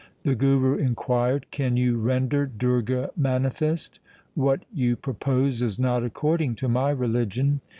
The Guru inquired, ' Can you render Durga manifest ? What you propose is not according to my religion.'